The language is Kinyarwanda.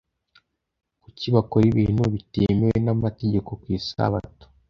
kuki bakora ibintu bitemewe n amategeko ku isabato